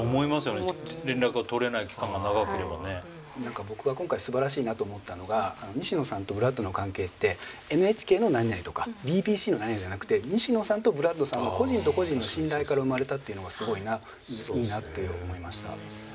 僕が今回すばらしいなと思ったのが西野さんとブラッドの関係ってＮＨＫの何々とかＢＢＣの何々じゃなくて西野さんとブラッドさんは個人と個人の信頼から生まれたっていうのがすごいないいなって思いました。